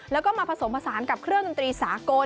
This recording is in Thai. แล้วก็มาผสมผสานกับเครื่องดนตรีสากล